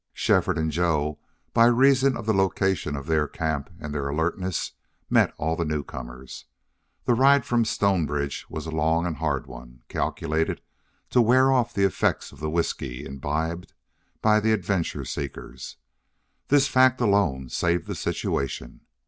Shefford and Joe, by reason of the location of their camp and their alertness, met all the new comers. The ride from Stonebridge was a long and hard one, calculated to wear off the effects of the whisky imbibed by the adventure seekers. This fact alone saved the situation.